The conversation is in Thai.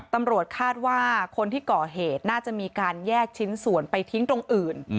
ตำรวจคาดว่าคนที่ก่อเหตุน่าจะมีการแยกชิ้นส่วนไปทิ้งตรงอื่น